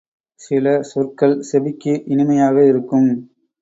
சில சொற்கள் செவிக்கு இனிமையாக இருக்கும்.